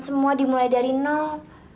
semua dimulai dari nol